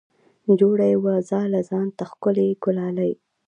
جوړه یې وه ځاله ځان ته ښکلې ګلالۍ